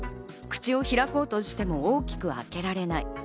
口を開こうとしても大きく開けられない。